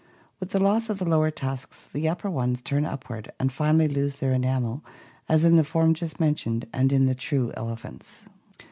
With the loss of the lower tusks the upper ones turn upward and finally lose their enamel, as in the form just mentioned and in the true elephants.